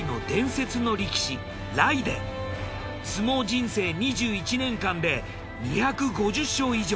相撲人生２１年間で２５０勝以上。